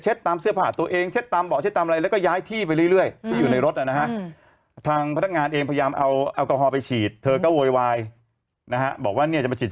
เช็ดตามเสื้อผาตัวเองเช็ดตามเบาะเช็ดตามอะไร